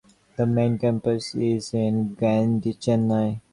The main campus is in Guindy, Chennai.